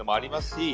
し